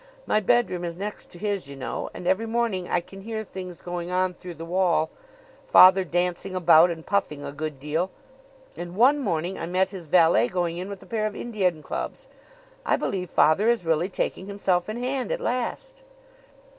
My bedroom is next to his, you know, and every morning I can hear things going on through the wall father dancing about and puffing a good deal. And one morning I met his valet going in with a pair of Indian clubs. I believe father is really taking himself in hand at last."